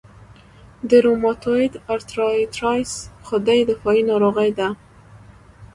د روماتویید ارترایټرایټس خودي دفاعي ناروغي ده.